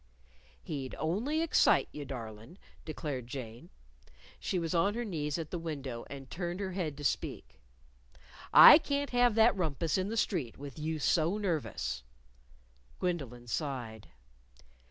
"He'd only excite you, darlin'," declared Jane. She was on her knees at the window, and turned her head to speak. "I can't have that rumpus in the street with you so nervous." Gwendolyn sighed.